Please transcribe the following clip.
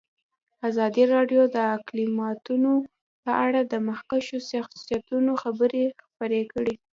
ازادي راډیو د اقلیتونه په اړه د مخکښو شخصیتونو خبرې خپرې کړي.